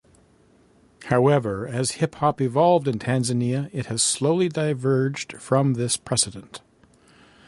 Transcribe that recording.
However, as hip-hop evolved in Tanzania, it has slowly diverged from this precedent.